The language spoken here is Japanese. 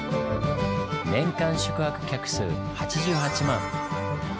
年間宿泊客数８８万。